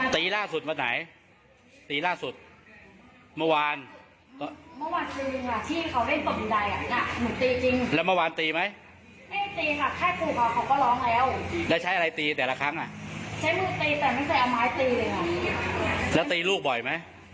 ของที่ว่าจริงแหละหมู่เมฆคือเขาร้องเพลง